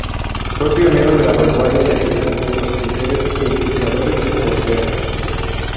Fue pionero de la vanguardia gallega de los pintores e ilustradores de posguerra.